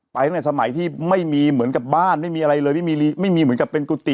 ตั้งแต่สมัยที่ไม่มีเหมือนกับบ้านไม่มีอะไรเลยไม่มีไม่มีเหมือนกับเป็นกุฏิ